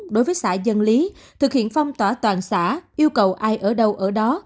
đối với xã dân lý thực hiện phong tỏa toàn xã yêu cầu ai ở đâu ở đó